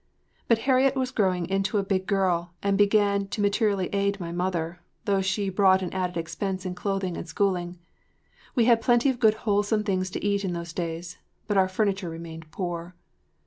But Harriet was growing into a big girl and began to materially aid my mother, though she brought an added expense in clothing and schooling. We had plenty of good wholesome things to eat in those days, but our furniture remained poor.